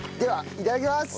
いただきます。